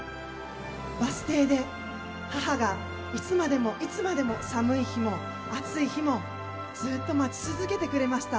バス停で母がいつまでも、いつまでも寒い日も暑い日もずっと待ち続けてくれました。